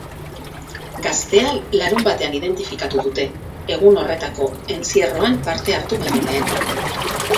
Gaztea larunbatean identifikatu dute, egun horretako entzierroan parte hartu baino lehen.